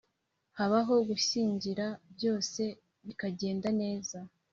habaho gushyingira, byose bigenda neza